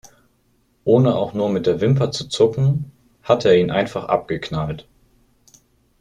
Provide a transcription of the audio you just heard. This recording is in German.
Ohne auch nur mit der Wimper zu zucken, hat er ihn einfach abgeknallt.